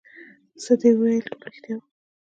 څه دې چې وويل ټول رښتيا وو.